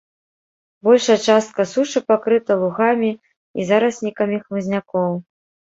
Большая частка сушы пакрыта лугамі і зараснікамі хмызнякоў.